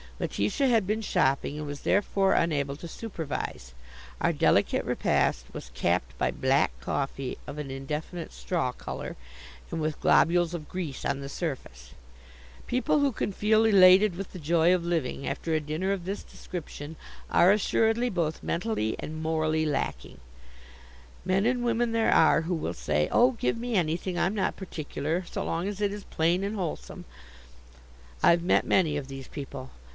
Letitia had been shopping, and was therefore unable to supervise. Our delicate repast was capped by "black" coffee of an indefinite straw color, and with globules of grease on the surface. People who can feel elated with the joy of living, after a dinner of this description, are assuredly both mentally and morally lacking. Men and women there are who will say: "Oh, give me anything. I'm not particular so long as it is plain and wholesome." I've met many of these people.